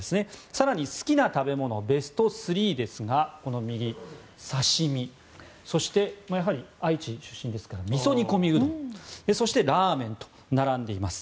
更に好きな食べ物ベスト３ですが刺し身、そして愛知出身ですからみそ煮込みうどんそして、ラーメンと並んでいます。